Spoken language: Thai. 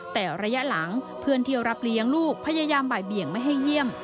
แต่ระยะหลังเพื่อนที่รับเลี้ยงลูกพยายามบ่ายเบี่ยงไม่ให้เยี่ยม